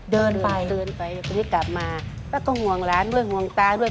เดินไปเดินไปเพื่อนี่กลับมาป้าก็ห่วงร้านด้วยห่วงตาด้วย